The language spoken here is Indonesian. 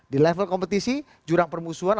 di level kompetisi jurang permusuhan